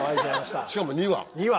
しかも２羽！